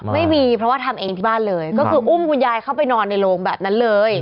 ไม่มีเพราะว่าทำเองที่บ้านเลยก็คืออุ้มคุณยายเข้าไปนอนในโรงแบบนั้นเลย